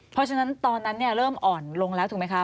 เพราะฉะนั้นตอนนั้นเริ่มอ่อนลงแล้วถูกไหมคะ